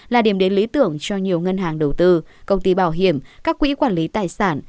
là điểm đến lý tưởng cho nhiều ngân hàng đầu tư công ty bảo hiểm các quỹ quản lý tài sản